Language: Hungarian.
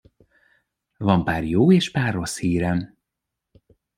Van pár jó és pár rossz hírem.